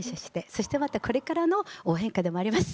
そしてまたこれからの応援歌でもあります！